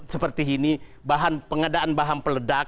seperti ini bahan pengadaan bahan peledak